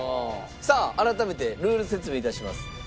さあ改めてルール説明致します。